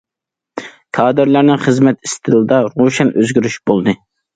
كادىرلارنىڭ خىزمەت ئىستىلىدا روشەن ئۆزگىرىش بولدى.